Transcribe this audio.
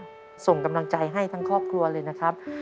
ก็ส่งกำลังใจให้ทั้งครอบครัวเลยนะครับ